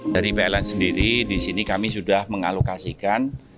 dari pln sendiri di sini kami sudah mengalokasikan